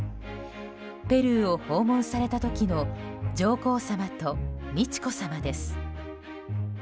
ペルーを訪問された時の上皇さまと美智子さまです。